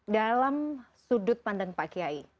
dalam sudut pandang pak kiai